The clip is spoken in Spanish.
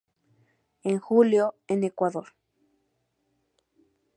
En julio En Ecuador.